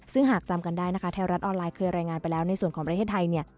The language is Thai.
ซึ่งหากจำกันได้นะคะไทยรัฐออนไลน์เคยรายงานไปแล้วในส่วนของประเทศไทยเนี่ย